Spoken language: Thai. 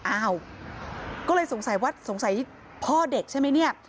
อ้าวก็เลยสงสัยว่าสงสัยพ่อเด็กใช่ไหมเนี่ย